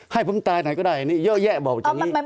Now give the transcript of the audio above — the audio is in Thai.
ให้ผมตายไหนก็ได้อันนี้เยอะแยะบอกอย่างนี้